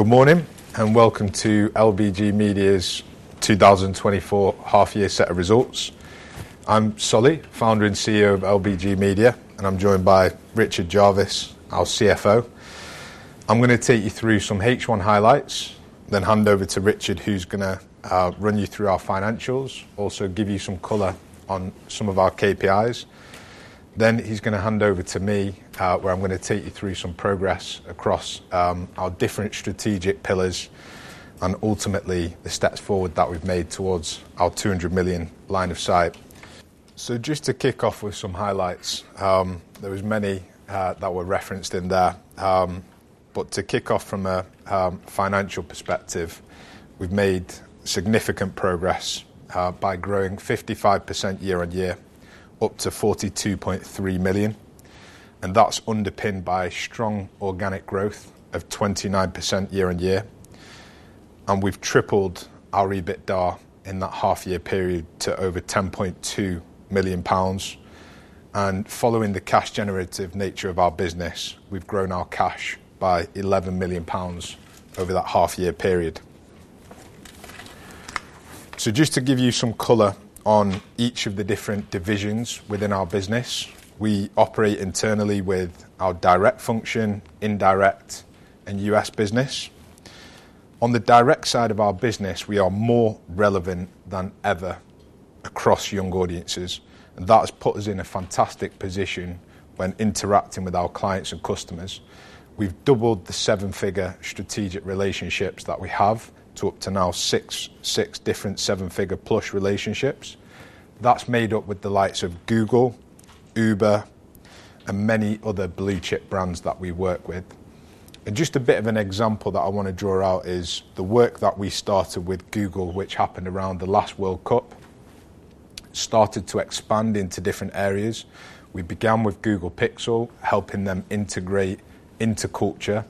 Good morning, and welcome to LBG Media's 2024 half-year set of results. I'm Solly, founder and CEO of LBG Media, and I'm joined by Richard Jarvis, our CFO. I'm going to take you through some H1 highlights, then hand over to Richard, who's going to run you through our financials, also give you some color on some of our KPIs. He's going to hand over to me, where I'm going to take you through some progress across our different strategic pillars, and ultimately the steps forward that we've made towards our 200 million line of sight. Just to kick off with some highlights, there was many that were referenced in there. To kick off from a financial perspective, we've made significant progress by growing 55% year-on-year, up to 42.3 million, and that's underpinned by strong organic growth of 29% year-on-year. We've tripled our EBITDA in that half year period to over 10.2 million pounds. Following the cash generative nature of our business, we've grown our cash by 11 million pounds over that half year period. Just to give you some color on each of the different divisions within our business, we operate internally with our direct function, indirect, and U.S. business. On the direct side of our business, we are more relevant than ever across young audiences, and that's put us in a fantastic position when interacting with our clients and customers. We've doubled the 7-figure strategic relationships that we have to up to now 6 different 7-figure plus relationships. That's made up with the likes of Google, Uber, and many other blue-chip brands that we work with. Just a bit of an example that I want to draw out is the work that we started with Google, which happened around the last World Cup, started to expand into different areas. We began with Google Pixel, helping them integrate into culture,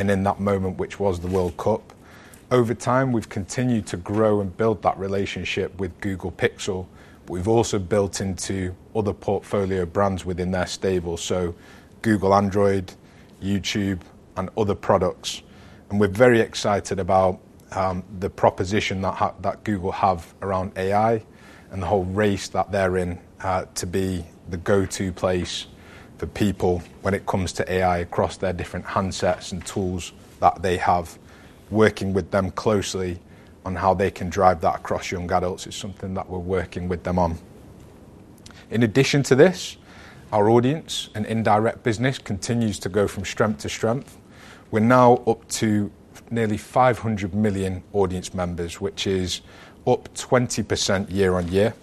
and in that moment, which was the World Cup. Over time, we've continued to grow and build that relationship with Google Pixel, but we've also built into other portfolio brands within their stable, so Google Android, YouTube, and other products. We're very excited about the proposition that Google have around AI and the whole race that they're in to be the go-to place for people when it comes to AI across their different handsets and tools that they have. Working with them closely on how they can drive that across young adults is something that we're working with them on. In addition to this, our audience and indirect business continues to go from strength to strength. We're now up to nearly 500 million audience members, which is up 20% year-on-year.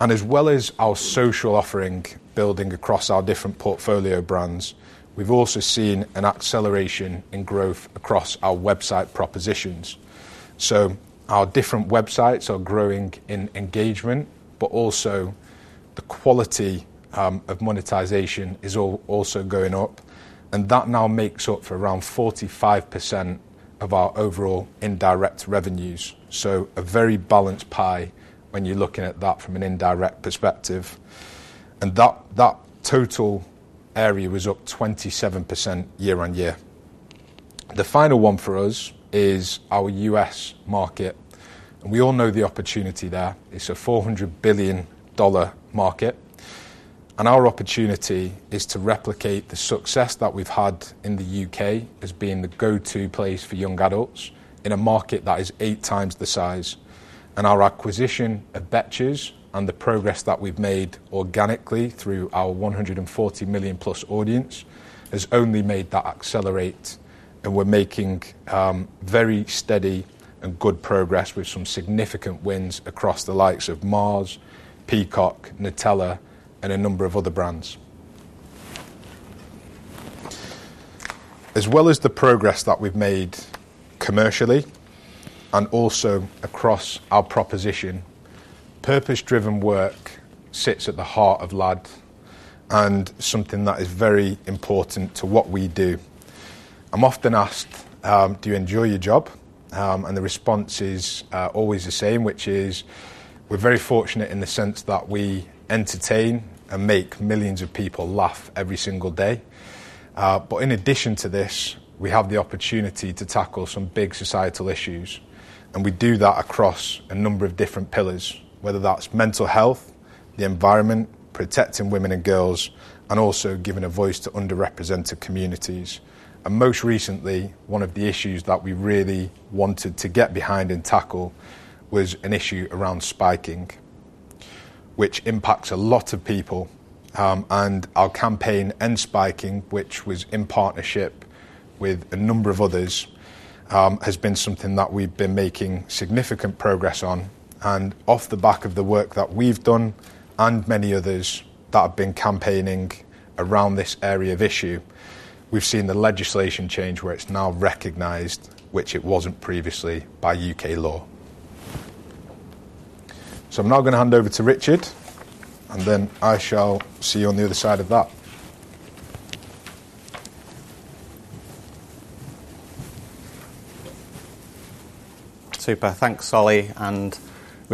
As well as our social offering building across our different portfolio brands, we've also seen an acceleration in growth across our website propositions. Our different websites are growing in engagement, but also the quality of monetization is also going up, and that now makes up for around 45% of our overall indirect revenues. A very balanced pie when you're looking at that from an indirect perspective. That total area was up 27% year-on-year. The final one for us is our U.S. market, and we all know the opportunity there. It's a $400 billion market. Our opportunity is to replicate the success that we've had in the U.K. as being the go-to place for young adults in a market that is 8x times the size. Our acquisition of Betches and the progress that we've made organically through our +140 million audience has only made that accelerate, and we're making very steady and good progress with some significant wins across the likes of Mars, Peacock, Nutella, and a number of other brands. As well as the progress that we've made commercially and also across our proposition, purpose-driven work sits at the heart of LBG and something that is very important to what we do. I'm often asked, "Do you enjoy your job?" The response is always the same, which is we're very fortunate in the sense that we entertain and make millions of people laugh every single day. In addition to this, we have the opportunity to tackle some big societal issues, and we do that across a number of different pillars, whether that's mental health, the environment, protecting women and girls, and also giving a voice to underrepresented communities. Most recently, one of the issues that we really wanted to get behind and tackle was an issue around spiking, which impacts a lot of people. Our campaign, End Spiking, which was in partnership with a number of others, has been something that we've been making significant progress on. Off the back of the work that we've done and many others that have been campaigning around this area of issue, we've seen the legislation change where it's now recognized, which it wasn't previously, by U.K. law. I'm now going to hand over to Richard, and then I shall see you on the other side of that. Super. Thanks, Solly, and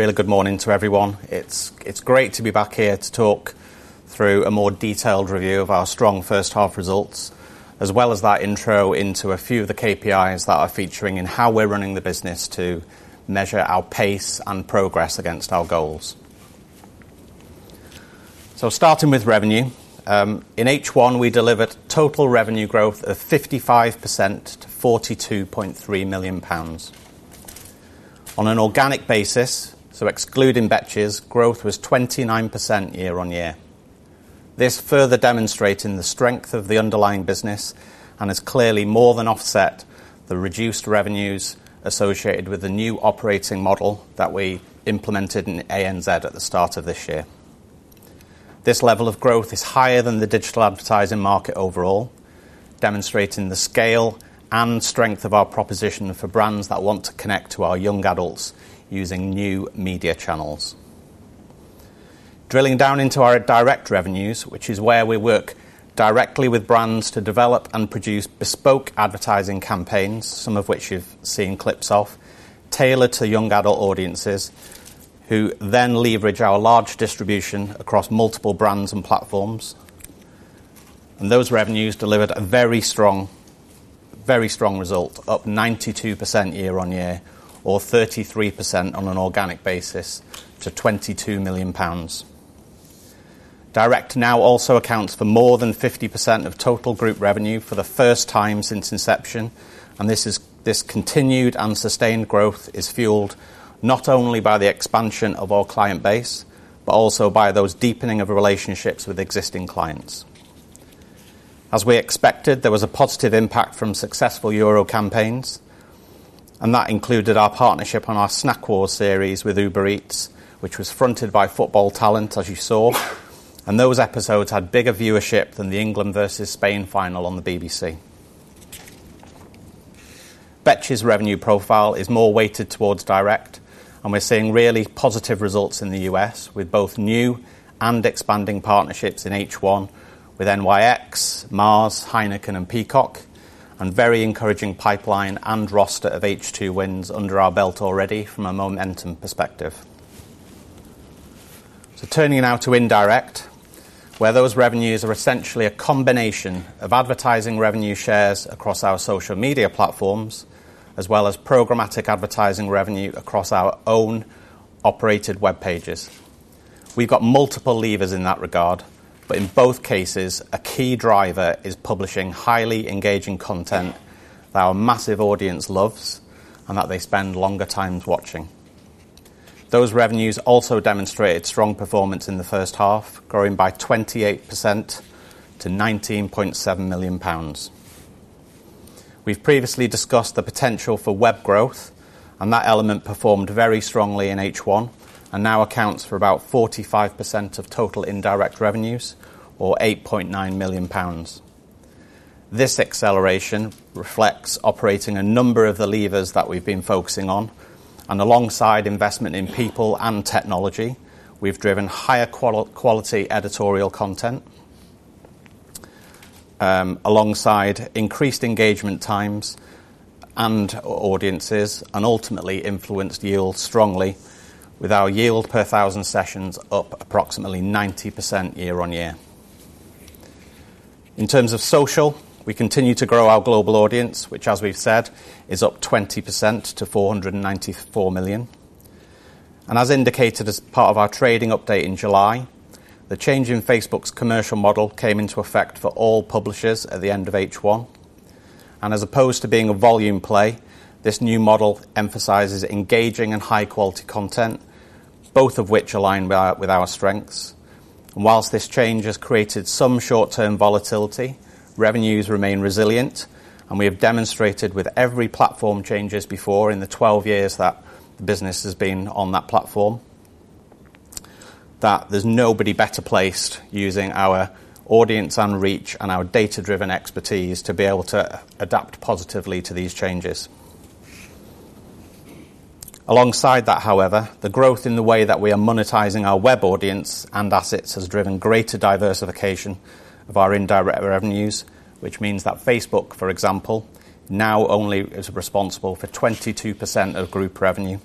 really good morning to everyone. It's great to be back here to talk through a more detailed review of our strong first half results, as well as that intro into a few of the KPIs that are featuring in how we're running the business to measure our pace and progress against our goals. Starting with revenue, in H1, we delivered total revenue growth of 55% to 42.3 million pounds. On an organic basis, so excluding Betches, growth was 29% year-on-year. This further demonstrating the strength of the underlying business and has clearly more than offset the reduced revenues associated with the new operating model that we implemented in the ANZ at the start of this year. This level of growth is higher than the digital advertising market overall, demonstrating the scale and strength of our proposition for brands that want to connect to our young adults using new media channels. Drilling down into our direct revenues, which is where we work directly with brands to develop and produce bespoke advertising campaigns, some of which you've seen clips of, tailored to young adult audiences, who then leverage our large distribution across multiple brands and platforms. Those revenues delivered a very strong result, up 92% year-on-year, or 33% on an organic basis to 22 million pounds. Direct now also accounts for more than 50% of total group revenue for the first time since inception, and this continued and sustained growth is fueled not only by the expansion of our client base, but also by those deepening of relationships with existing clients. As we expected, there was a positive impact from successful Euros campaigns. That included our partnership on our Snack Wars series with Uber Eats, which was fronted by football talent, as you saw. Those episodes had bigger viewership than the England versus Spain final on the BBC. Betches revenue profile is more weighted towards direct, and we're seeing really positive results in the U.S. with both new and expanding partnerships in H1 with NYX, Mars, Heineken, and Peacock, and very encouraging pipeline and roster of H2 wins under our belt already from a non-endemic perspective. Turning now to indirect, where those revenues are essentially a combination of advertising revenue shares across our social media platforms, as well as programmatic advertising revenue across our own operated web pages. We've got multiple levers in that regard, but in both cases, a key driver is publishing highly engaging content that our massive audience loves and that they spend longer times watching. Those revenues also demonstrated strong performance in the first half, growing by 28% to 19.7 million pounds. We've previously discussed the potential for web growth, and that element performed very strongly in H1 and now accounts for about 45% of total indirect revenues or 8.9 million pounds. This acceleration reflects operating a number of the levers that we've been focusing on, and alongside investment in people and technology, we've driven higher quality editorial content, alongside increased engagement times and audiences, and ultimately influenced yield strongly with our yield per thousand sessions up approximately 90% year-over-year. In terms of social, we continue to grow our global audience, which as we've said, is up 20% to 494 million. As indicated as part of our trading update in July, the change in Facebook's commercial model came into effect for all publishers at the end of H1. As opposed to being a volume play, this new model emphasizes engaging and high-quality content, both of which align with our strengths. Whilst this change has created some short-term volatility, revenues remain resilient, and we have demonstrated with every platform changes before in the 12 years that the business has been on that platform, that there is nobody better placed using our audience and reach and our data-driven expertise to be able to adapt positively to these changes. Alongside that, however, the growth in the way that we are monetizing our web audience and assets has driven greater diversification of our indirect revenues, which means that Facebook, for example, now only is responsible for 22% of group revenue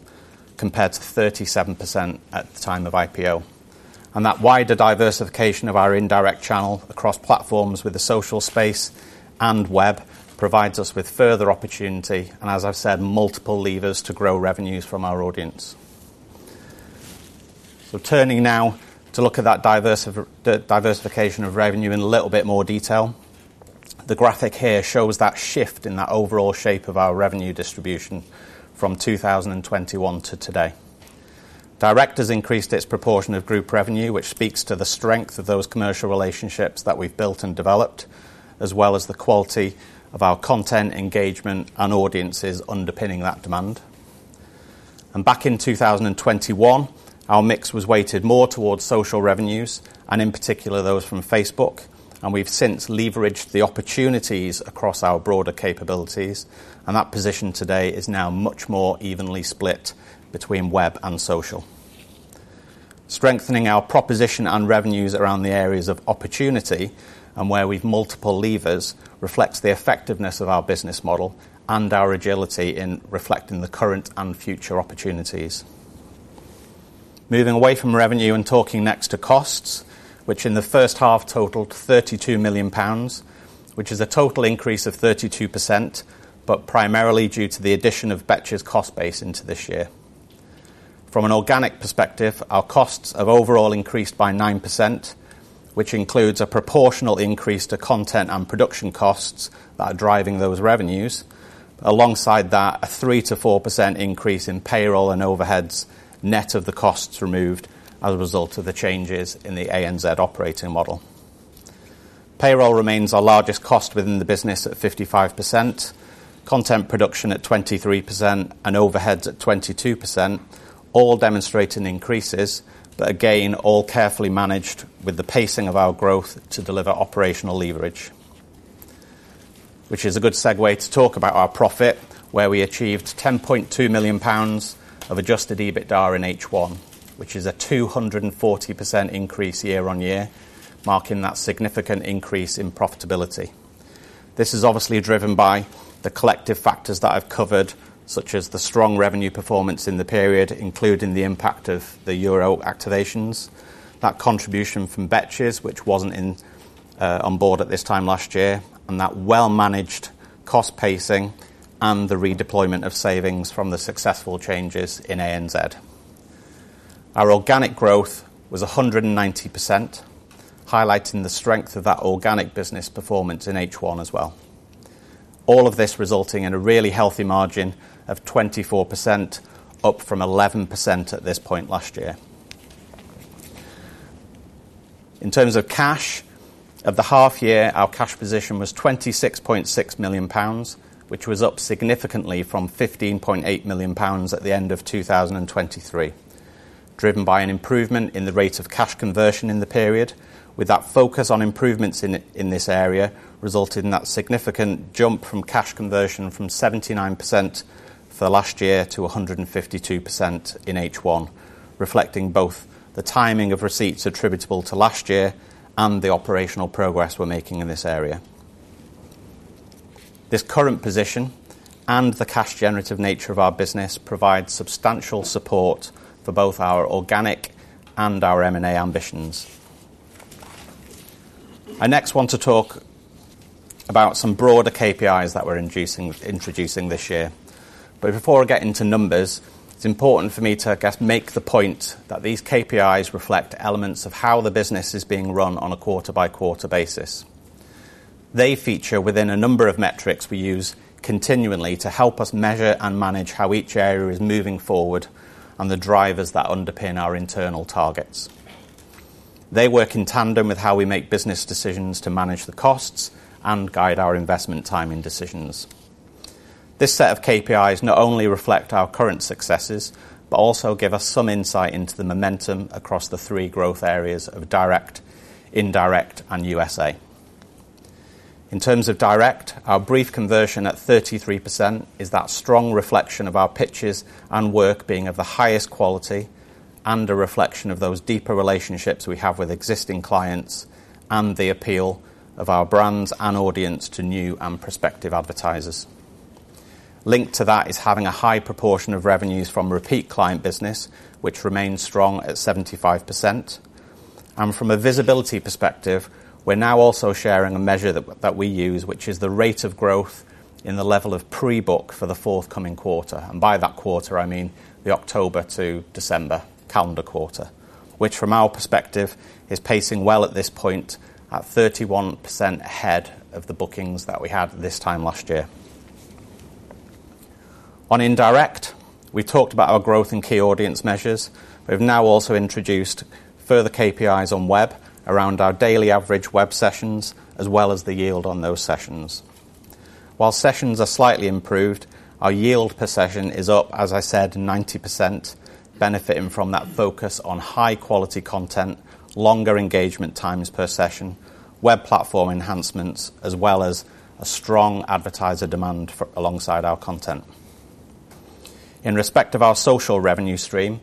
compared to 37% at the time of IPO. That wider diversification of our indirect channel across platforms with the social space and web provides us with further opportunity, and as I said, multiple levers to grow revenues from our audience. Turning now to look at that diversification of revenue in a little bit more detail. The graphic here shows that shift in that overall shape of our revenue distribution from 2021 to today. Direct has increased its proportion of group revenue, which speaks to the strength of those commercial relationships that we've built and developed, as well as the quality of our content engagement and audiences underpinning that demand. Back in 2021, our mix was weighted more towards social revenues, and in particular, those from Facebook, and we've since leveraged the opportunities across our broader capabilities, and that position today is now much more evenly split between web and social. Strengthening our proposition and revenues around the areas of opportunity and where we've multiple levers reflects the effectiveness of our business model and our agility in reflecting the current and future opportunities. Moving away from revenue and talking next to costs, which in the first half totaled 32 million pounds, which is a total increase of 32%, but primarily due to the addition of Betches' cost base into this year. From an organic perspective, our costs have overall increased by 9%, which includes a proportional increase to content and production costs that are driving those revenues. Alongside that, a 3%-4% increase in payroll and overheads, net of the costs removed as a result of the changes in the ANZ operating model. Payroll remains our largest cost within the business at 55%, content production at 23%, and overheads at 22%, all demonstrating increases, but again, all carefully managed with the pacing of our growth to deliver operational leverage. Which is a good segue to talk about our profit, where we achieved 10.2 million pounds of adjusted EBITDA in H1, which is a 240% increase year-on-year, marking that significant increase in profitability. This is obviously driven by the collective factors that I've covered, such as the strong revenue performance in the period, including the impact of the Euros activations. That contribution from Betches, which wasn't on board at this time last year, that well-managed cost pacing and the redeployment of savings from the successful changes in ANZ. Our organic growth was 190%, highlighting the strength of that organic business performance in H1 as well. All of this resulting in a really healthy margin of 24%, up from 11% at this point last year. In terms of cash, at the half year, our cash position was 26.6 million pounds, which was up significantly from 15.8 million pounds at the end of 2023, driven by an improvement in the rate of cash conversion in the period, with that focus on improvements in this area resulting in that significant jump from cash conversion from 79% for last year to 152% in H1, reflecting both the timing of receipts attributable to last year and the operational progress we're making in this area. This current position and the cash generative nature of our business provide substantial support for both our organic and our M&A ambitions. I next want to talk about some broader KPIs that we're introducing this year. Before I get into numbers, it's important for me to, I guess, make the point that these KPIs reflect elements of how the business is being run on a quarter-by-quarter basis. They feature within a number of metrics we use continually to help us measure and manage how each area is moving forward and the drivers that underpin our internal targets. They work in tandem with how we make business decisions to manage the costs and guide our investment timing decisions. This set of KPIs not only reflect our current successes, but also give us some insight into the momentum across the three growth areas of direct, indirect, and USA. In terms of direct, our brief conversion at 33% is that strong reflection of our pitches and work being of the highest quality and a reflection of those deeper relationships we have with existing clients and the appeal of our brands and audience to new and prospective advertisers. Linked to that is having a high proportion of revenues from repeat client business, which remains strong at 75%. From a visibility perspective, we're now also sharing a measure that we use, which is the rate of growth in the level of pre-book for the forthcoming quarter. By that quarter, I mean the October to December calendar quarter, which from our perspective is pacing well at this point at 31% ahead of the bookings that we had this time last year. On indirect, we talked about our growth in key audience measures. We've now also introduced further KPIs on web around our daily average web sessions, as well as the yield on those sessions. While sessions are slightly improved, our yield per session is up, as I said, 90%, benefiting from that focus on high quality content, longer engagement times per session, web platform enhancements, as well as a strong advertiser demand alongside our content. In respect of our social revenue stream,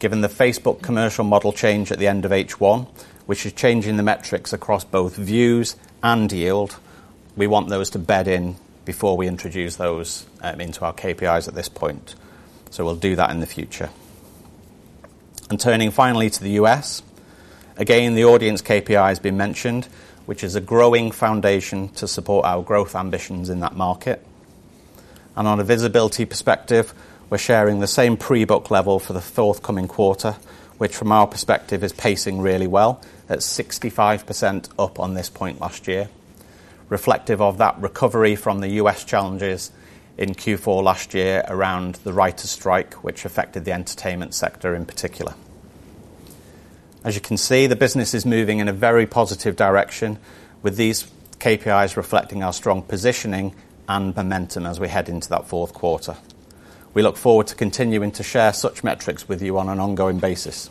given the Facebook commercial model change at the end of H1, which is changing the metrics across both views and yield, we want those to bed in before we introduce those into our KPIs at this point. We'll do that in the future. Turning finally to the U.S., again, the audience KPI has been mentioned, which is a growing foundation to support our growth ambitions in that market. On a visibility perspective, we're sharing the same pre-book level for the forthcoming quarter, which from our perspective is pacing really well at 65% up on this point last year, reflective of that recovery from the U.S. challenges in Q4 last year around the writers' strike, which affected the entertainment sector in particular. As you can see, the business is moving in a very positive direction with these KPIs reflecting our strong positioning and momentum as we head into that fourth quarter. We look forward to continuing to share such metrics with you on an ongoing basis.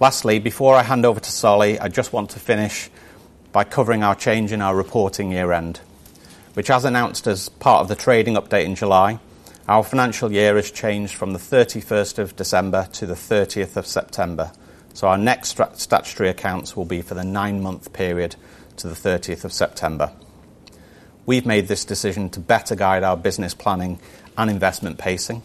Lastly, before I hand over to Solly, I just want to finish by covering our change in our reporting year end. As announced as part of the trading update in July, our financial year has changed from the 31st of December to the 30th of September. Our next statutory accounts will be for the nine-month period to the 30th of September. We've made this decision to better guide our business planning and investment pacing,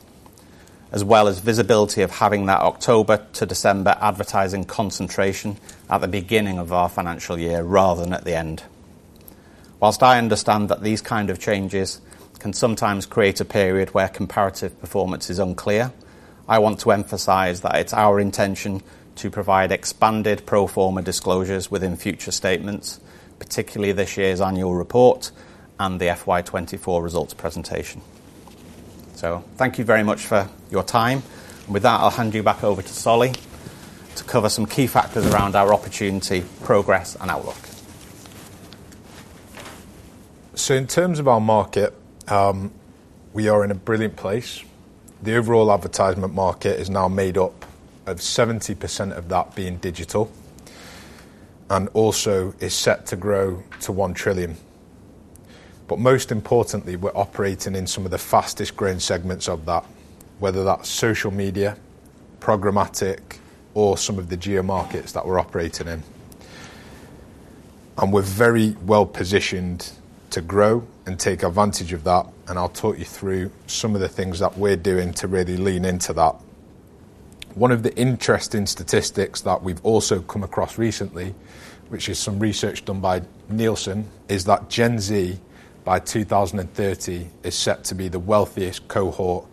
as well as visibility of having that October to December advertising concentration at the beginning of our financial year rather than at the end. Whilst I understand that these kind of changes can sometimes create a period where comparative performance is unclear, I want to emphasize that it's our intention to provide expanded pro forma disclosures within future statements, particularly this year's annual report and the FY 2024 results presentation. Thank you very much for your time. With that, I'll hand you back over to Solly to cover some key factors around our opportunity, progress, and outlook. In terms of our market, we are in a brilliant place. The overall advertising market is now made up of 70% of that being digital, and also is set to grow to 1 trillion. Most importantly, we're operating in some of the fastest-growing segments of that, whether that's social media, programmatic, or some of the geo markets that we're operating in. We're very well-positioned to grow and take advantage of that, and I'll talk you through some of the things that we're doing to really lean into that. One of the interesting statistics that we've also come across recently, which is some research done by Nielsen, is that Gen Z by 2030 is set to be the wealthiest cohort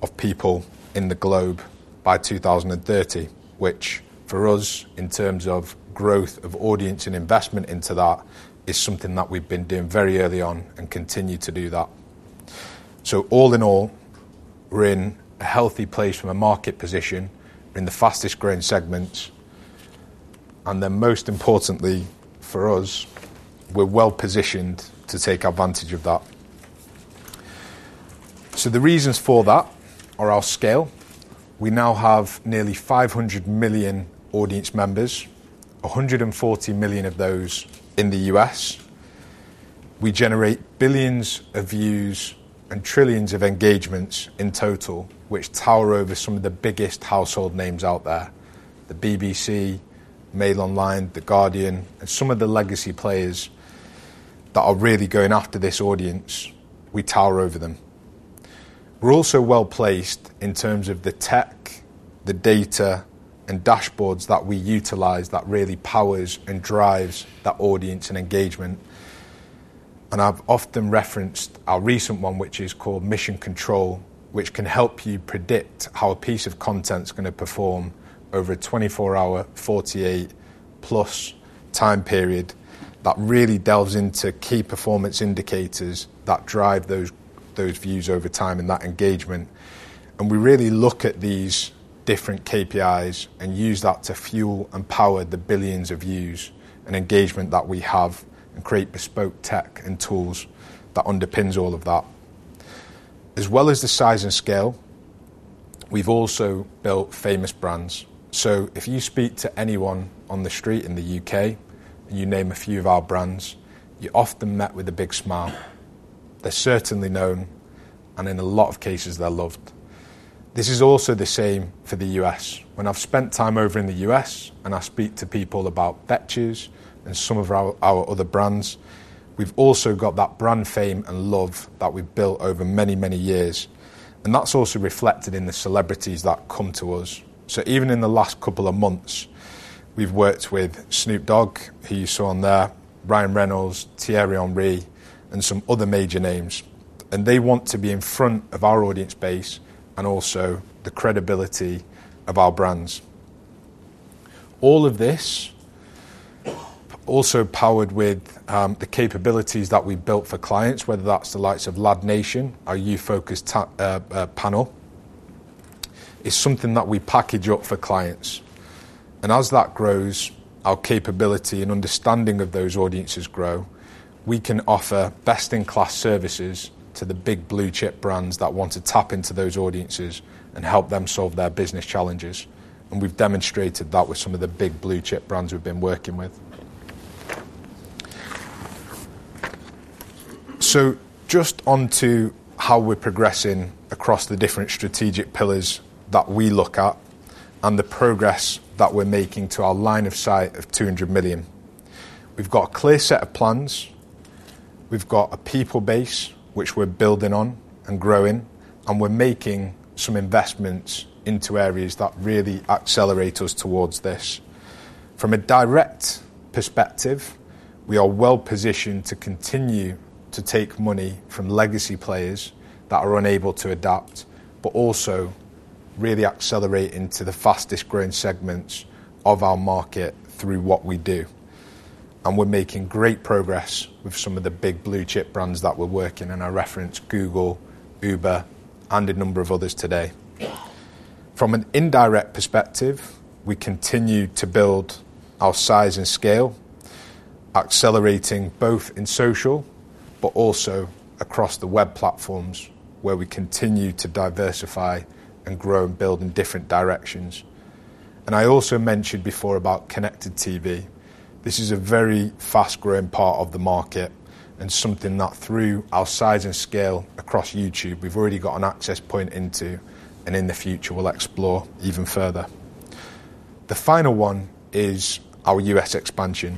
of people in the globe by 2030, which for us, in terms of growth of audience and investment into that, is something that we've been doing very early on and continue to do that. All in all, we're in a healthy place from a market position. We're in the fastest-growing segments. Most importantly for us, we're well-positioned to take advantage of that. The reasons for that are our scale. We now have nearly 500 million audience members, 140 million of those in the U.S. We generate billions of views and trillions of engagements in total, which tower over some of the biggest household names out there, the BBC, MailOnline, The Guardian, and some of the legacy players that are really going after this audience. We tower over them. We're also well-placed in terms of the tech, the data, and dashboards that we utilize that really powers and drives that audience and engagement. I've often referenced our recent one, which is called Mission Control, which can help you predict how a piece of content's going to perform over a 24-hour, +48 time period that really delves into key performance indicators that drive those views over time and that engagement. We really look at these different KPIs and use that to fuel and power the billions of views and engagement that we have and create bespoke tech and tools that underpins all of that. As well as the size and scale, we've also built famous brands. If you speak to anyone on the street in the U.K. and you name a few of our brands, you're often met with a big smile. They're certainly known, and in a lot of cases they're loved. This is also the same for the U.S. When I've spent time over in the U.S. and I speak to people about Betches and some of our other brands, we've also got that brand fame and love that we've built over many, many years, and that's also reflected in the celebrities that come to us. Even in the last couple of months, we've worked with Snoop Dogg, who you saw on there, Ryan Reynolds, Thierry Henry, and some other major names. They want to be in front of our audience base and also the credibility of our brands. All of this also powered with the capabilities that we've built for clients, whether that's the likes of LADnation, our youth-focused panel. It's something that we package up for clients. As that grows, our capability and understanding of those audiences grow. We can offer best-in-class services to the big blue-chip brands that want to tap into those audiences and help them solve their business challenges. We've demonstrated that with some of the big blue-chip brands we've been working with. Just onto how we're progressing across the different strategic pillars that we look at and the progress that we're making to our line of sight of 200 million. We've got a clear set of plans. We've got a people base which we're building on and growing, and we're making some investments into areas that really accelerate us towards this. From a direct perspective, we are well-positioned to continue to take money from legacy players that are unable to adapt, but also really accelerate into the fastest-growing segments of our market through what we do. We're making great progress with some of the big blue-chip brands that we're working, and I referenced Google, Uber, and a number of others today. From an indirect perspective, we continue to build our size and scale, accelerating both in social but also across the web platforms where we continue to diversify and grow and build in different directions. I also mentioned before about connected TV. This is a very fast-growing part of the market, and something that through our size and scale across YouTube, we've already got an access point into, and in the future, we'll explore even further. The final one is our U.S. expansion,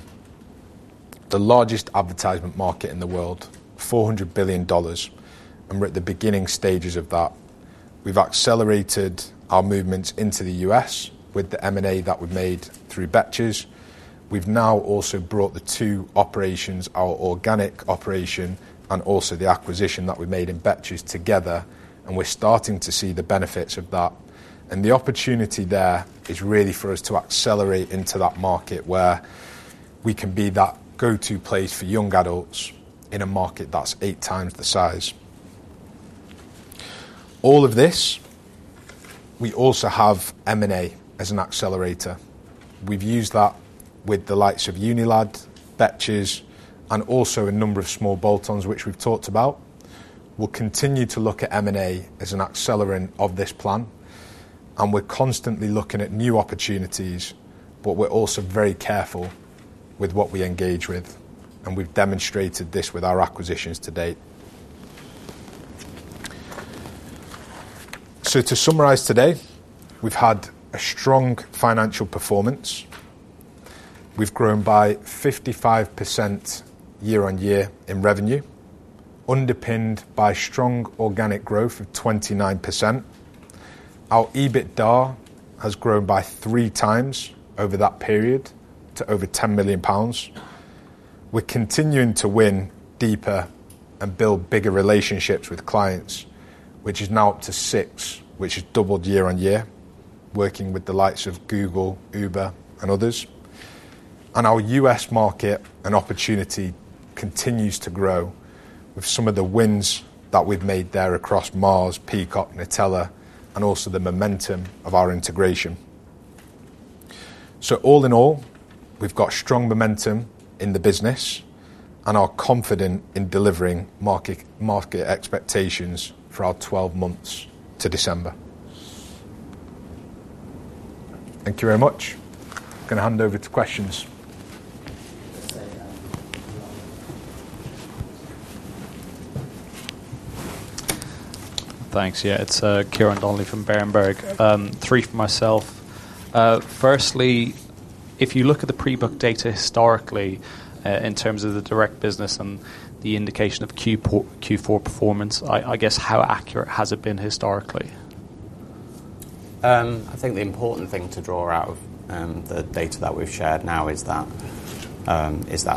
the largest advertisement market in the world, $400 billion, and we're at the beginning stages of that. We've accelerated our movements into the U.S. with the M&A that we made through Betches. We've now also brought the two operations, our organic operation, and also the acquisition that we made in Betches together, and we're starting to see the benefits of that. The opportunity there is really for us to accelerate into that market where we can be that go-to place for young adults in a market that's eight times the size. All of this, we also have M&A as an accelerator. We've used that with the likes of UNILAD, Betches, and also a number of small bolt-ons, which we've talked about. We'll continue to look at M&A as an accelerant of this plan, and we're constantly looking at new opportunities, but we're also very careful with what we engage with, and we've demonstrated this with our acquisitions to date. To summarize today, we've had a strong financial performance. We've grown by 55% year-on-year in revenue, underpinned by strong organic growth of 29%. Our EBITDA has grown by 3x over that period to over 10 million pounds. We're continuing to win deeper and build bigger relationships with clients, which is now up to six, which has doubled year-on-year, working with the likes of Google, Uber, and others. Our U.S. market and opportunity continues to grow with some of the wins that we've made there across Mars, Peacock, Nutella, and also the momentum of our integration. All in all, we've got strong momentum in the business and are confident in delivering market expectations for our 12 months to December. Thank you very much. I'm going to hand over to questions. Thanks. It's Ciarán Donnelly from Berenberg. Three for myself. Firstly, if you look at the pre-book data historically, in terms of the direct business and the indication of Q4 performance, I guess how accurate has it been historically? I think the important thing to draw out the data that we've shared now is that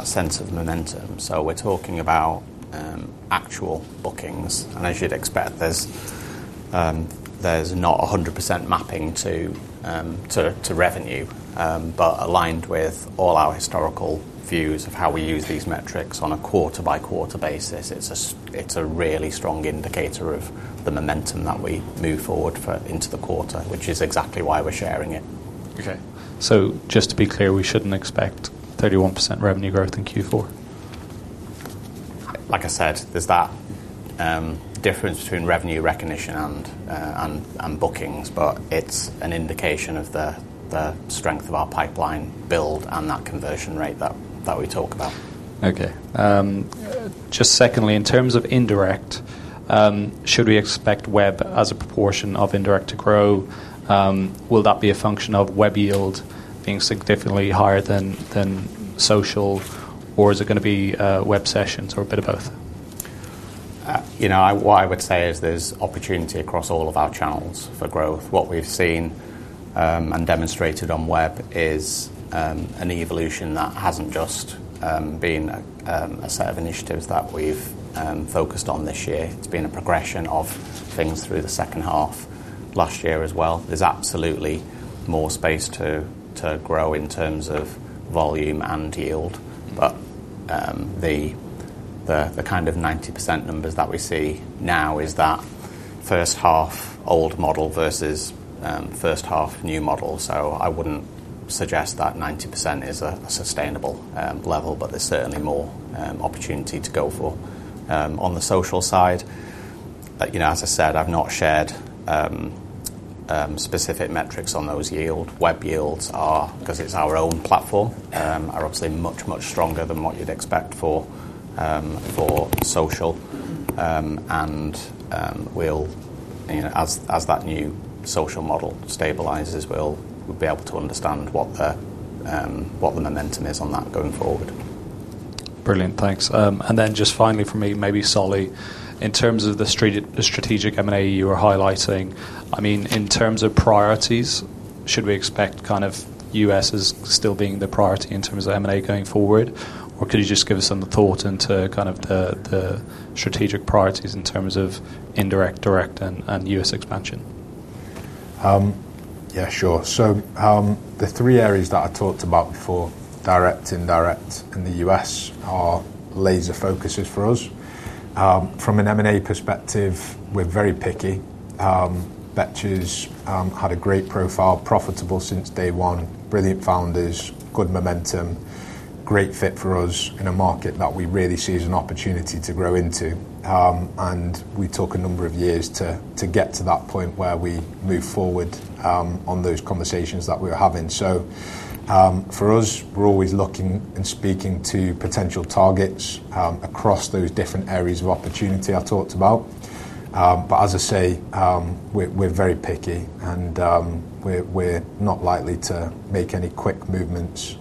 sense of momentum. We're talking about actual bookings, and as you'd expect, there's not 100% mapping to revenue. Aligned with all our historical views of how we use these metrics on a quarter-by-quarter basis, it's a really strong indicator of the momentum that we move forward into the quarter, which is exactly why we're sharing it. Okay. just to be clear, we shouldn't expect 31% revenue growth in Q4? Like I said, there's that difference between revenue recognition and bookings, but it's an indication of the strength of our pipeline build and that conversion rate that we talk about. Okay. Just secondly, in terms of indirect, should we expect web as a proportion of indirect to grow? Will that be a function of web yield being significantly higher than social, or is it going to be web sessions, or a bit of both? What I would say is there's opportunity across all of our channels for growth. What we've seen and demonstrated on web is an evolution that hasn't just been a set of initiatives that we've focused on this year. It's been a progression of things through the second half of last year as well. There's absolutely more space to grow in terms of volume and yield. The kind of 90% numbers that we see now is that first half old model versus first half new model. I wouldn't suggest that 90% is a sustainable level, but there's certainly more opportunity to go for. On the social side, as I said, I've not shared specific metrics on those yield. Web yields are, because it's our own platform, obviously much, much stronger than what you'd expect for social. As that new social model stabilizes, we'll be able to understand what the momentum is on that going forward. Brilliant. Thanks. Just finally from me, maybe Solly, in terms of the strategic M&A you were highlighting, in terms of priorities, should we expect the U.S. as still being the priority in terms of M&A going forward? Could you just give some thought into the strategic priorities in terms of indirect, direct, and U.S. expansion? Yeah, sure. The three areas that I talked about before, direct, indirect, and the U.S., are laser focuses for us. From an M&A perspective, we're very picky. Betches had a great profile, profitable since day one, brilliant founders, good momentum. Great fit for us in a market that we really see as an opportunity to grow into. We took a number of years to get to that point where we move forward on those conversations that we were having. For us, we're always looking and speaking to potential targets across those different areas of opportunity I talked about. As I say, we're very picky and we're not likely to make any quick movements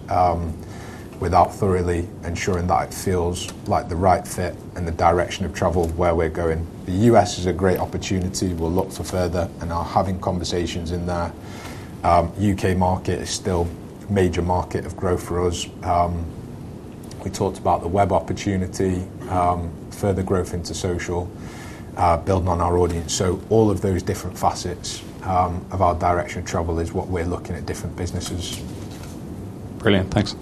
without thoroughly ensuring that it feels like the right fit and the direction of travel where we're going. The U.S. is a great opportunity we'll look to further and are having conversations in there. U.K. market is still a major market of growth for us. We talked about the web opportunity, further growth into social, building on our audience. All of those different facets of our direction of travel is what we're looking at different businesses. Brilliant. Thanks.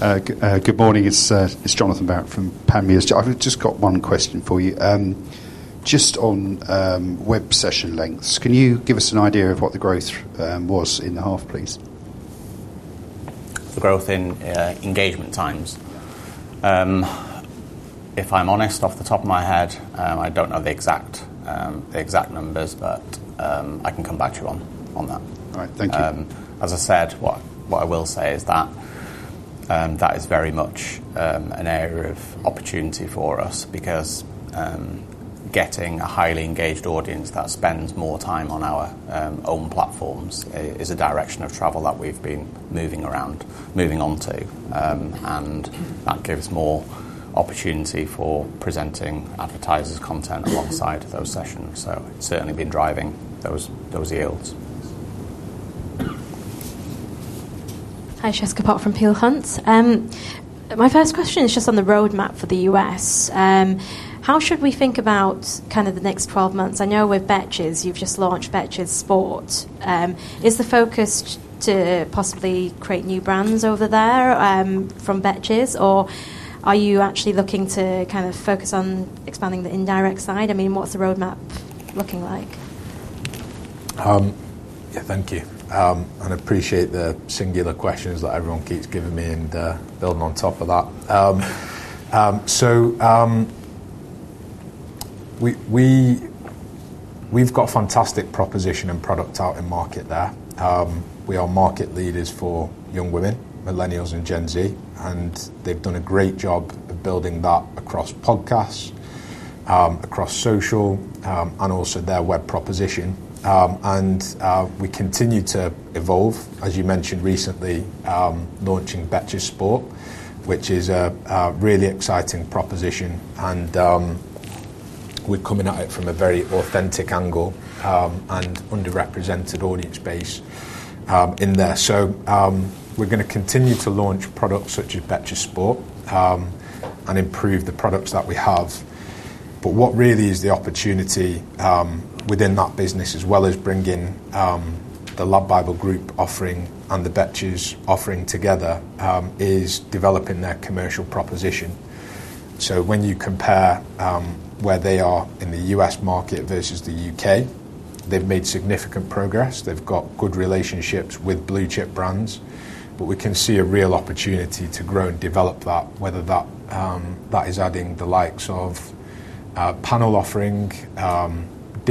Good morning. It's Jonathan Barrett from Panmure. I've just got one question for you. Just on web session lengths, can you give us an idea of what the growth was in half, please? The growth in engagement times. If I'm honest, off the top of my head, I don't know the exact numbers, but I can come back to you on that. All right. Thank you. As I said, what I will say is that is very much an area of opportunity for us, because getting a highly engaged audience that spends more time on our own platforms is a direction of travel that we've been moving onto. That gives more opportunity for presenting advertisers' content alongside those sessions. It's certainly been driving those yields. Hi, Jessica Pok from Peel Hunt. My first question is just on the roadmap for the U.S. How should we think about kind of the next 12 months? I know with Betches, you've just launched Betches Sports. Is the focus to possibly create new brands over there from Betches, or are you actually looking to kind of focus on expanding the indirect side? I mean, what's the roadmap looking like? Thank you. Appreciate the singular questions that everyone keeps giving me and building on top of that. We've got fantastic proposition and product out in market there. We are market leaders for young women, millennials, and Gen Z, and they've done a great job of building that across podcasts, across social, and also their web proposition. We continue to evolve, as you mentioned recently, launching Betches Sports, which is a really exciting proposition. We're coming at it from a very authentic angle, and underrepresented audience base in there. We're going to continue to launch products such as Betches Sports, and improve the products that we have. What really is the opportunity within that business, as well as bringing the LADbible Group offering and the Betches offering together, is developing their commercial proposition. When you compare where they are in the U.S. market versus the U.K., they've made significant progress. They've got good relationships with blue-chip brands. We can see a real opportunity to grow and develop that, whether that is adding the likes of panel offering,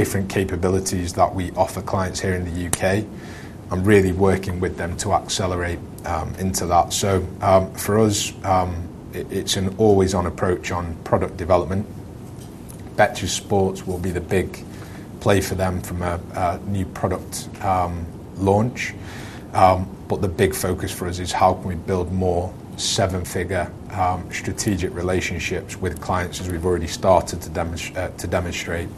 different capabilities that we offer clients here in the U.K., and really working with them to accelerate into that. For us, it's an always-on approach on product development. Betches Sports will be the big play for them from a new product launch. The big focus for us is how can we build more seven-figure strategic relationships with clients as we've already started to demonstrate,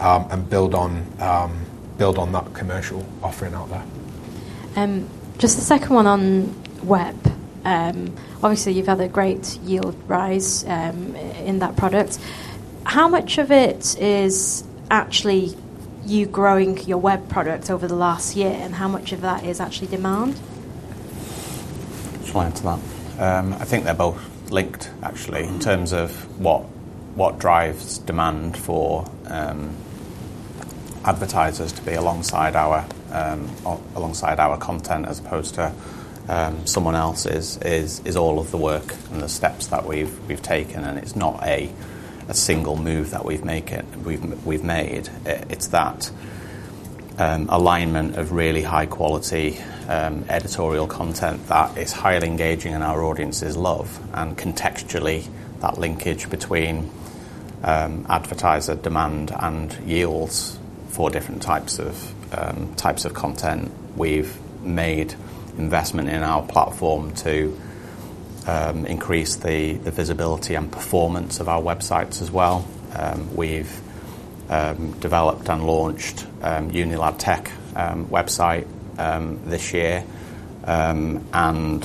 and build on that commercial offering out there. Just a second one on web. Obviously, you've had a great yield rise in that product. How much of it is actually you growing your web product over the last year, and how much of that is actually demand? Just why into that. I think they're both linked actually, in terms of what drives demand for advertisers to be alongside our content as opposed to someone else's is all of the work and the steps that we've taken. It's not a single move that we've made. It's that alignment of really high-quality editorial content that is highly engaging and our audiences love, and contextually, that linkage between advertiser demand and yields for different types of content. We've made investment in our platform to increase the visibility and performance of our websites as well. We've developed and launched UNILAD Tech website this year. All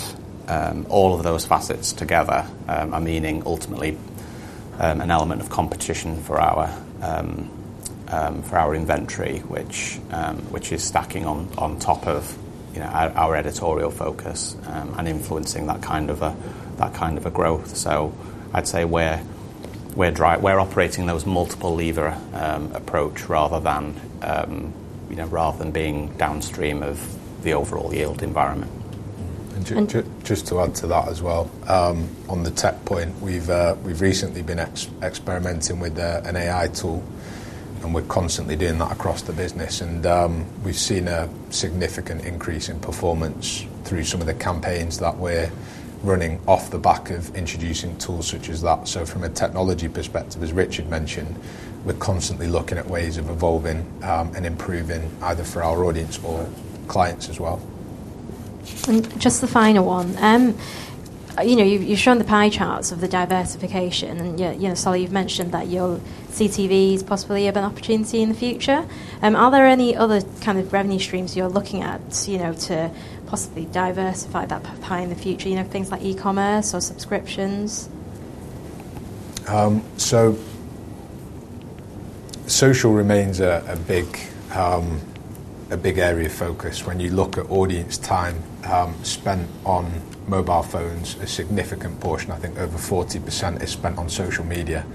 of those facets together are meaning ultimately an element of competition for our inventory which is stacking on top of our editorial focus, and influencing that kind of a growth. I'd say we're We're operating those multiple lever approach rather than being downstream of the overall yield environment. Just to add to that as well, on the tech point, we've recently been experimenting with an AI tool. We're constantly doing that across the business. We've seen a significant increase in performance through some of the campaigns that we're running off the back of introducing tools such as that. From a technology perspective, as Richard mentioned, we're constantly looking at ways of evolving and improving either for our audience or clients as well. Just the final one. You showed the pie charts of the diversification, and so you've mentioned that your CTV is possibly an opportunity in the future. Are there any other kind of revenue streams you're looking at to possibly diversify that pie in the future? Things like e-commerce or subscriptions? Social remains a big area of focus. When you look at audience time spent on mobile phones, a significant portion, I think over 40%, is spent on social media.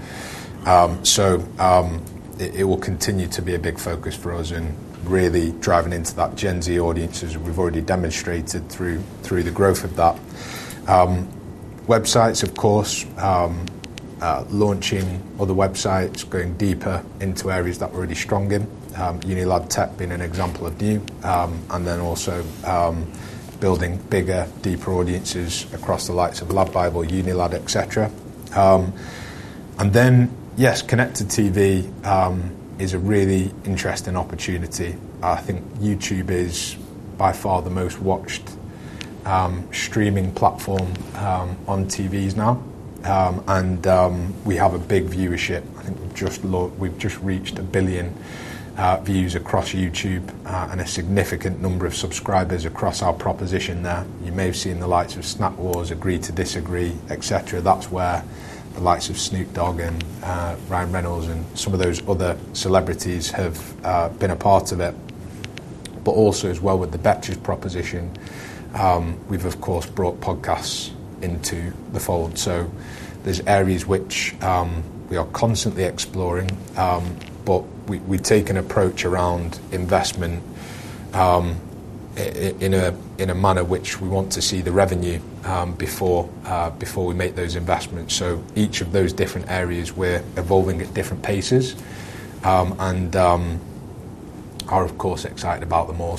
It will continue to be a big focus for us in really driving into that Gen Z audiences, we've already demonstrated through the growth of that. Websites, of course, launching other websites, going deeper into areas that we're already strong in, UNILAD Tech being an example of new. Also building bigger, deeper audiences across the likes of LADbible or UNILAD, et cetera. Yes, connected TV is a really interesting opportunity. I think YouTube is by far the most watched streaming platform on TVs now, and we have a big viewership. I think we've just reached 1 billion views across YouTube, and a significant number of subscribers across our proposition there. You may have seen the likes of Snack Wars, Agree to Disagree, et cetera. That's where the likes of Snoop Dogg and Ryan Reynolds, and some of those other celebrities have been a part of it. Also as well, with the Betches proposition, we've of course brought podcasts into the fold. There's areas which we are constantly exploring, but we take an approach around investment in a manner which we want to see the revenue before we make those investments. Each of those different areas we're evolving at different paces, and are of course excited about them all.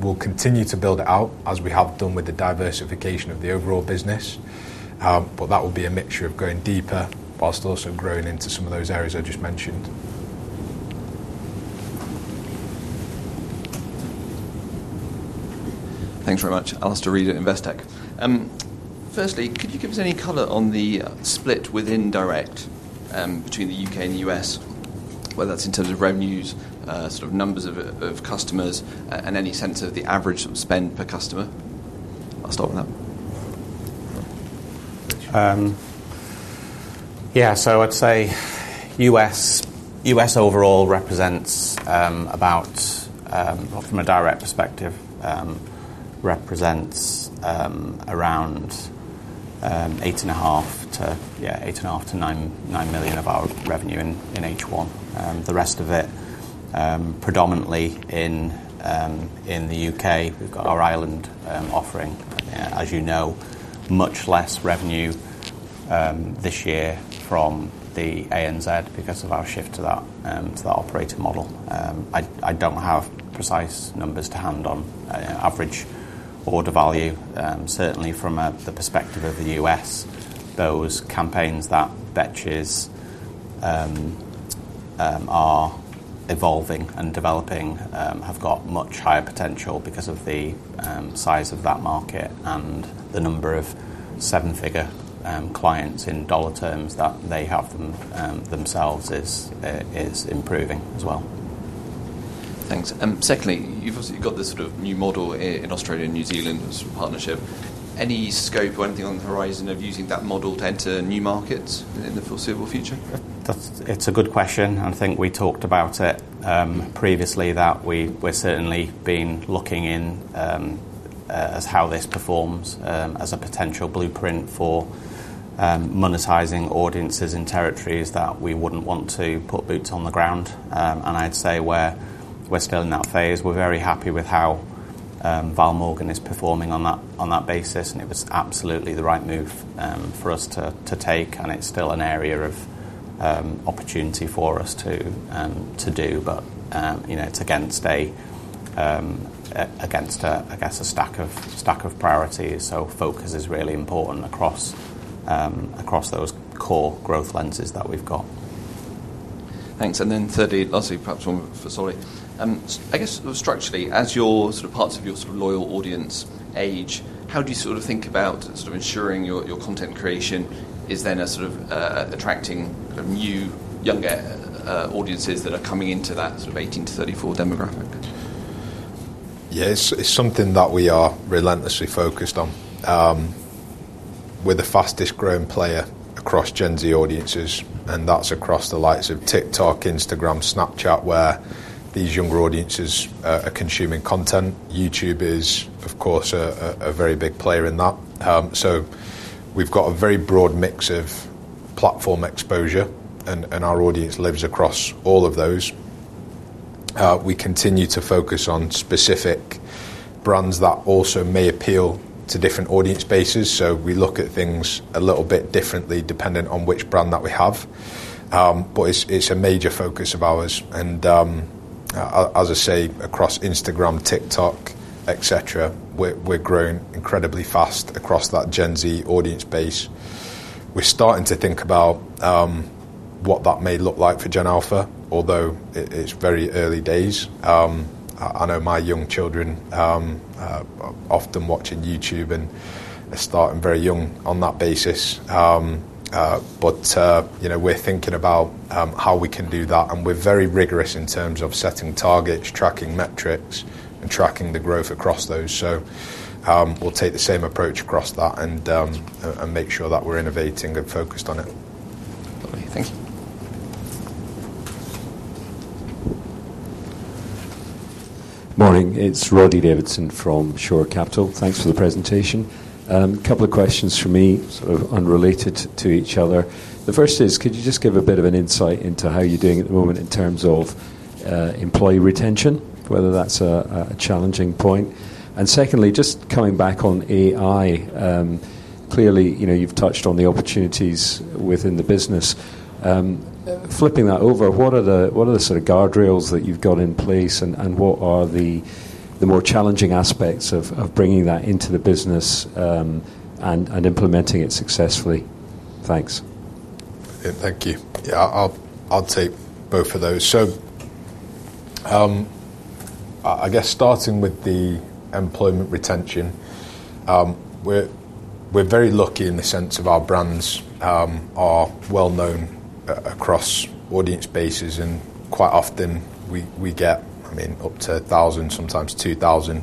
We'll continue to build it out as we have done with the diversification of the overall business. That will be a mixture of going deeper whilst also growing into some of those areas I just mentioned. Thanks very much. Alistair Davies, Investec. Firstly, could you give us any color on the split within direct between the U.K. and the U.S., whether that's in terms of revenues, sort of numbers of customers, and any sense of the average spend per customer? I'll stop there. Yeah, I'd say U.S. overall, from a direct perspective, represents around 8.5 million-9 million of our revenue in H1. The rest of it predominantly in the U.K. We've got our Ireland offering, as you know, much less revenue this year from the ANZ because of our shift to that operator model. I don't have precise numbers to hand on average order value. Certainly from the perspective of the U.S., those campaigns that Betches are evolving and developing have got much higher potential because of the size of that market and the number of seven-figure clients in USD terms that they have themselves is improving as well. Thanks. Secondly, you've obviously got this sort of new model in Australia and New Zealand partnership. Any scope or anything on the horizon of using that model to enter new markets in the foreseeable future? It's a good question. I think we talked about it previously, that we've certainly been looking in as how this performs as a potential blueprint for monetizing audiences in territories that we wouldn't want to put boots on the ground, and I'd say we're still in that phase. We're very happy with how Val Morgan is performing on that basis, and it was absolutely the right move for us to take, and it's still an area of opportunity for us to do. It's against a stack of priorities, so focus is really important across those core growth lenses that we've got. Thanks, thirdly, lastly perhaps, sorry. I guess structurally, as your parts of your loyal audience age, how do you sort of think about sort of ensuring your content creation is then sort of attracting new, younger audiences that are coming into that sort of 18-34 demographic? Yeah, it's something that we are relentlessly focused on. We're the fastest growing player across Gen Z audiences, and that's across the likes of TikTok, Instagram, Snapchat, where these younger audiences are consuming content. YouTube is, of course, a very big player in that. We've got a very broad mix of platform exposure, and our audience lives across all of those. We continue to focus on specific brands that also may appeal to different audience bases. We look at things a little bit differently depending on which brand that we have. It's a major focus of ours and, as I say, across Instagram, TikTok, et cetera, we're growing incredibly fast across that Gen Z audience base. We're starting to think about what that may look like for Gen Alpha, although it's very early days. I know my young children are often watching YouTube and are starting very young on that basis. We're thinking about how we can do that, and we're very rigorous in terms of setting targets, tracking metrics, and tracking the growth across those. We'll take the same approach across that and make sure that we're innovating and focused on it. Thank you. Morning, it's Roddy Davidson from Shore Capital. Thanks for the presentation. A couple of questions from me, sort of unrelated to each other. The first is, could you just give a bit of an insight into how you're doing at the moment in terms of employee retention, whether that's a challenging point? Secondly, just coming back on AI, clearly, you've touched on the opportunities within the business. Flipping that over, what are the sort of guardrails that you've got in place, and what are the more challenging aspects of bringing that into the business, and implementing it successfully? Thanks. Yeah. Thank you. Yeah, I'll take both of those. I guess starting with the employment retention, we're very lucky in the sense of our brands are well-known across audience bases, and quite often we get up to 1,000, sometimes 2,000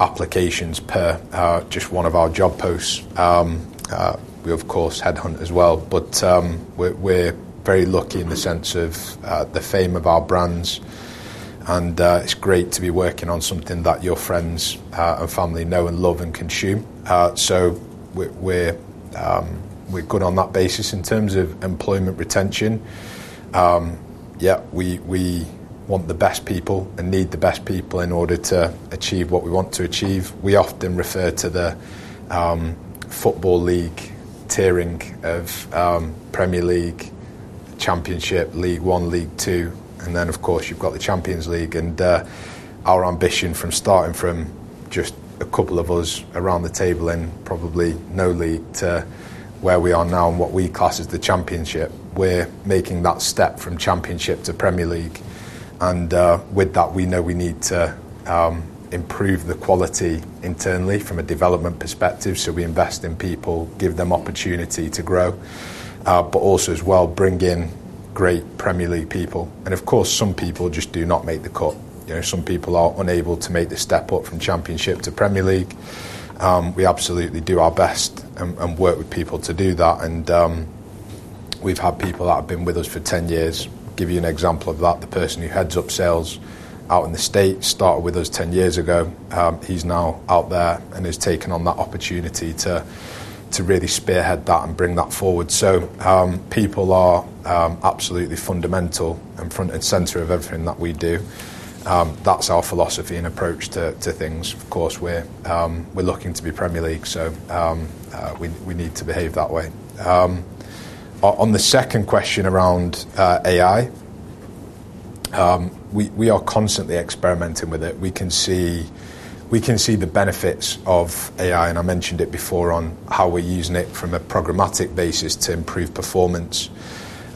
applications per just one of our job posts. We, of course, headhunt as well, but we're very lucky in the sense of the fame of our brands, and it's great to be working on something that your friends and family know and love and consume. We're good on that basis. In terms of employment retention, yeah, we want the best people and need the best people in order to achieve what we want to achieve. We often refer to the football league tiering of Premier League, Championship, League One, League Two, and then, of course, you've got the Champions League. Our ambition from starting from just a couple of us around the table in probably no league to where we are now and what we class as the Championship, we're making that step from Championship to Premier League. With that, we know we need to improve the quality internally from a development perspective. We invest in people, give them opportunity to grow. Also as well, bring in great Premier League people. Of course, some people just do not make the cut. Some people are unable to make the step up from Championship to Premier League. We absolutely do our best and work with people to do that. We've had people that have been with us for 10 years. Give you an example of that. The person who heads up sales out in the U.S. started with us 10 years ago. He's now out there and has taken on that opportunity to really spearhead that and bring that forward. People are absolutely fundamental and front and center of everything that we do. That's our philosophy and approach to things. Of course, we're looking to be Premier League, so we need to behave that way. On the second question around AI, we are constantly experimenting with it. We can see the benefits of AI, and I mentioned it before on how we're using it from a programmatic basis to improve performance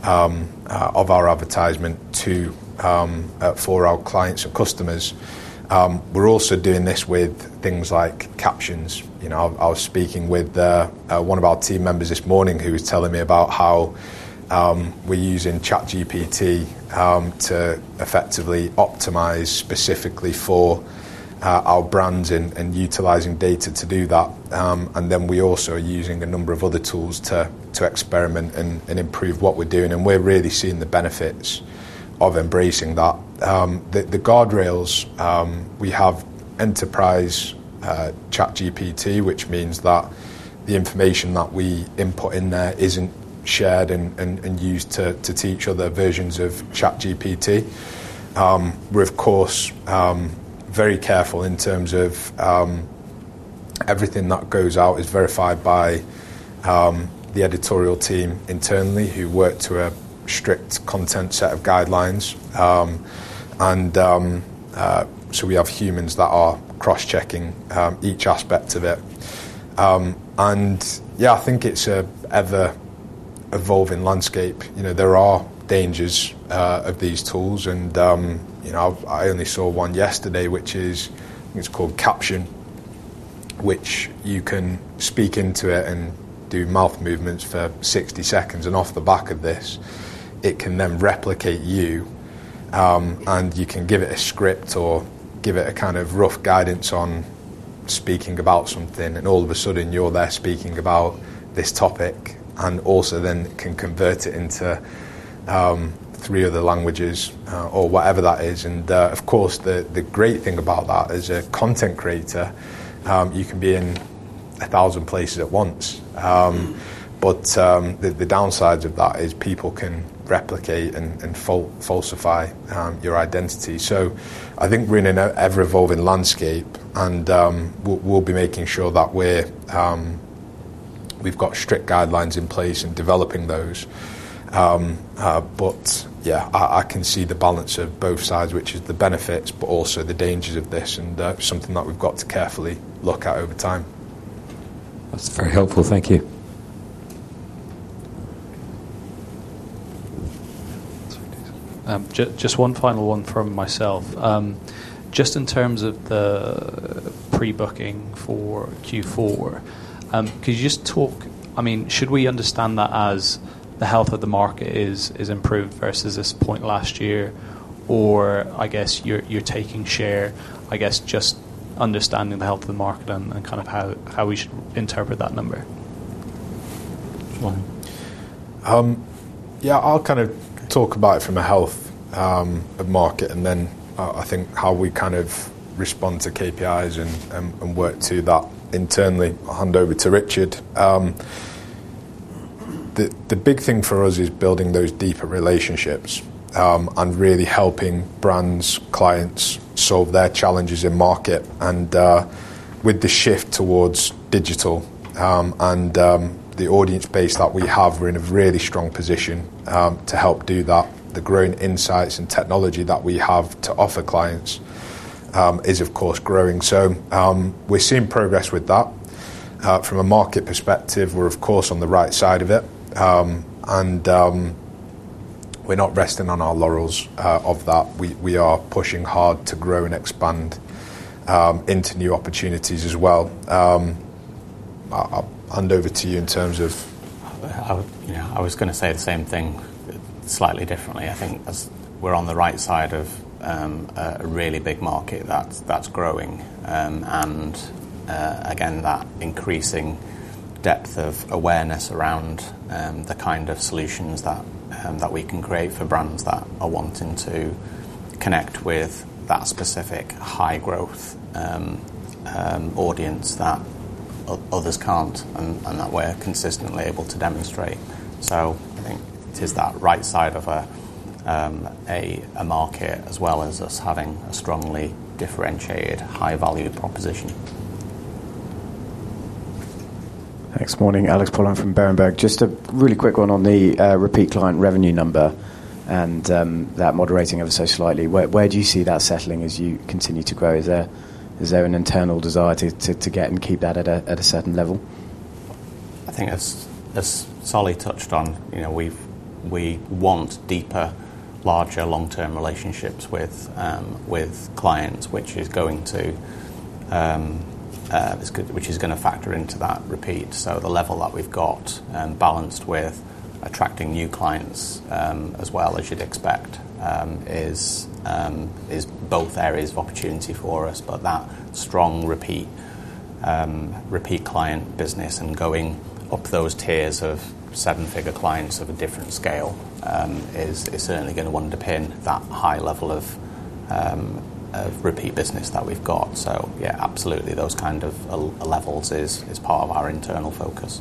of our advertisement for our clients and customers. We're also doing this with things like Captions. I was speaking with one of our team members this morning who was telling me about how we're using ChatGPT to effectively optimize specifically for our brands and utilizing data to do that. We also are using a number of other tools to experiment and improve what we're doing, and we're really seeing the benefits of embracing that. The guardrails, we have ChatGPT Enterprise, which means that the information that we input in there isn't shared and used to teach other versions of ChatGPT. We're of course, very careful in terms of everything that goes out is verified by the editorial team internally, who work to a strict content set of guidelines. We have humans that are cross-checking each aspect of it. I think it's an ever-evolving landscape. There are dangers of these tools, and I only saw one yesterday, which is called Captions, which you can speak into it and do mouth movements for 60 seconds, and off the back of this, it can then replicate you. You can give it a script or give it a kind of rough guidance on speaking about something, and all of a sudden you're there speaking about this topic. Also then it can convert it into three other languages or whatever that is. Of course, the great thing about that as a content creator, you can be in 1,000 places at once. The downsides of that is people can replicate and falsify your identity. I think we're in an ever-evolving landscape, and we'll be making sure that we've got strict guidelines in place in developing those. Yeah, I can see the balance of both sides, which is the benefits, but also the dangers of this, and something that we've got to carefully look at over time. That's very helpful. Thank you. Two please. Just one final one from myself. Just in terms of the pre-booking for Q4, should we understand that as the health of the market is improved versus this point last year? Or, I guess, you're taking share? I guess just understanding the health of the market and kind of how we should interpret that number. Sure. Yeah, I'll kind of talk about it from a health of market, then I think how we kind of respond to KPIs and work to that internally. I'll hand over to Richard. The big thing for us is building those deeper relationships, and really helping brands, clients solve their challenges in market. With the shift towards digital, and the audience base that we have, we're in a really strong position to help do that. The growing insights and technology that we have to offer clients is of course growing. We're seeing progress with that. From a market perspective, we're of course on the right side of it. We're not resting on our laurels of that. We are pushing hard to grow and expand into new opportunities as well. I'll hand over to you in terms of.. Yeah, I was going to say the same thing slightly differently. I think as we're on the right side of a really big market that's growing, and again, that increasing depth of awareness around the kind of solutions that we can create for brands that are wanting to connect with that specific high growth audience that others can't and that we're consistently able to demonstrate. I think it is that right side of a market as well as us having a strongly differentiated high-value proposition. Thanks. Morning, Alex Pollen from Berenberg. Just a really quick one on the repeat client revenue number and that moderating ever so slightly. Where do you see that settling as you continue to grow? Is there an internal desire to get and keep that at a certain level? I think as Solly touched on, we want deeper, larger, long-term relationships with clients, which is going to factor into that repeat. The level that we've got, balanced with attracting new clients, as well as you'd expect, is both areas of opportunity for us. That strong repeat client business and going up those tiers of seven-figure clients of a different scale is certainly going to underpin that high level of repeat business that we've got. Yeah, absolutely those kind of levels is part of our internal focus.